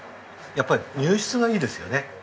やっぱり乳質がいいですよね。